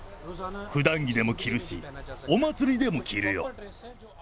ふだん着でも着るし、お祭りでも着るよ。